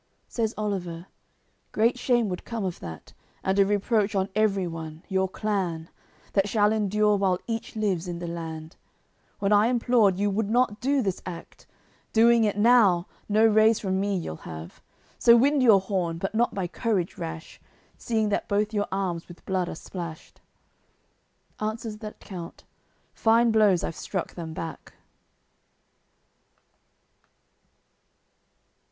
Says Oliver: "Great shame would come of that And a reproach on every one, your clan, That shall endure while each lives in the land, When I implored, you would not do this act; Doing it now, no raise from me you'll have: So wind your horn but not by courage rash, Seeing that both your arms with blood are splashed." Answers that count: "Fine blows I've struck them back."